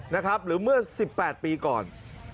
นะครับหรือเมื่อ๑๘ปีก่อน